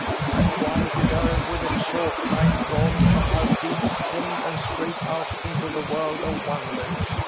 "I quieted her with a chalk line drawn from her beak's end straight out into the world of wonders.